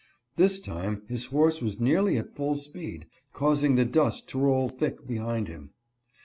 This time his horse was nearly at full speed, causing the dust to roll thick behind him.